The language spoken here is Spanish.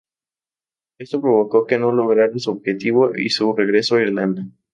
Esto provocó que no lograra su objetivo y su regreso a Irlanda.